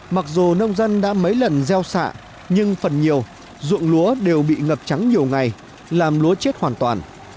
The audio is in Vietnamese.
mặc dù nông dân đã mấy lần gieo xạ nhưng phần nhiều ruộng lúa đều bị ngập trắng nhiều ngày làm lúa chết hoàn toàn